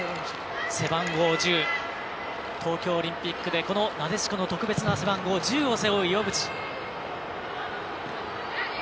背番号１０、東京オリンピックでこのなでしこで特別な背番号１０を背負う、岩渕。